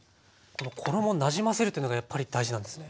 衣なじませるというのがやっぱり大事なんですね。